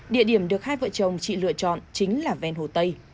địa điểm được hai vợ chồng chị lựa chọn chính là ven hồ tây